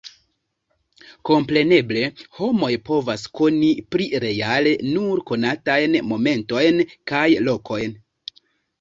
Kompreneble homoj povas koni pli reale nur konatajn momentojn kaj lokojn.